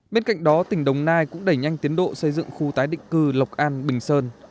bên cạnh đó tỉnh đồng nai cũng đẩy nhanh tiến độ xây dựng khu tái định cư lộc an bình sơn